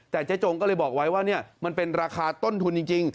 แต่เจ๊จงก็เลยบอกไว้ว่ามันเป็นราคาต้นทุนจริง